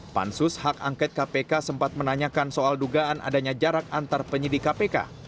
pansus hak angket kpk sempat menanyakan soal dugaan adanya jarak antar penyidik kpk